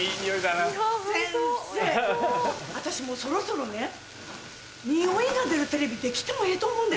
私もうそろそろね匂いが出るテレビ出来てもええと思うんです。